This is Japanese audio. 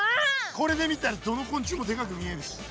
これで見たらどの昆虫もでかく見えるし。